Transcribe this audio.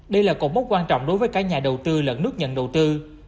đây là cầu mốc quan trọng đối với cả nhà đầu tư lẫn nước nhận đầu tư